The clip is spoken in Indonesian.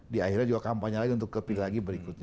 di akhirnya juga kampanye lagi untuk ke pilihan berikutnya